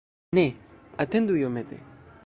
Ne, atendu iomete!